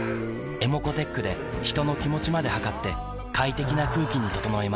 ｅｍｏｃｏーｔｅｃｈで人の気持ちまで測って快適な空気に整えます